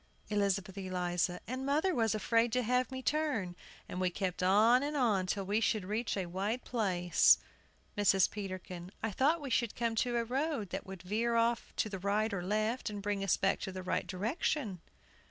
ELIZABETH ELIZA. And mother was afraid to have me turn, and we kept on and on till we should reach a wide place. MRS. PETERKIN. I thought we should come to a road that would veer off to the right or left, and bring us back to the right direction.